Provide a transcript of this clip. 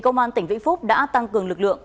công an tỉnh vĩnh phúc đã tăng cường lực lượng